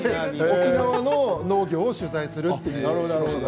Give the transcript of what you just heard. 沖縄の農業を取材するという仕事で。